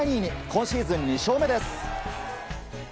今シーズン２勝目です。